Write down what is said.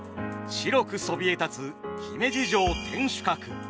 白くそびえ立つ姫路城天守閣。